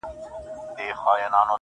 کوټي ته درځمه گراني.